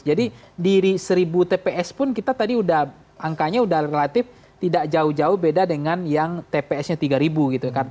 jadi di seribu tps pun kita tadi udah angkanya udah relatif tidak jauh jauh beda dengan yang tpsnya tiga ribu gitu kan